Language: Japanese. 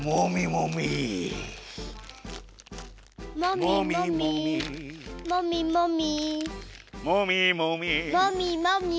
もみもみ。